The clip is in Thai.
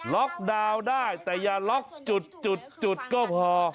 ล็อกดาวน์ได้แต่อย่าล็อกจุดก็พอ